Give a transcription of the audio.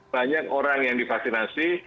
banyak orang yang divaksinasi